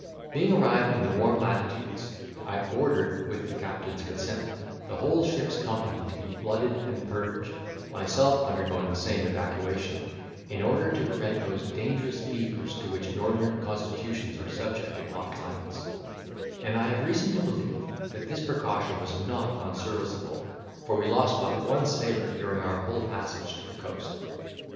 Being arrived in the warm latitudes, I ordered (with the captain's consent) the whole ship's company to be blooded and purged, myself undergoing the same evacuation, in order to prevent those dangerous fevers to which northern constitutions are subject in hot climates; and I have reason to believe, that this precaution was not unserviceable, for we lost but one sailor during our whole passage to the coast.